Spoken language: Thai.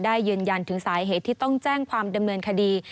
ยืนยันถึงสาเหตุที่ต้องแจ้งความดำเนินคดี